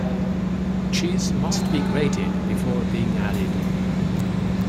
Cheese must be grated before being added.